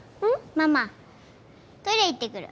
ママトイレ行ってくる。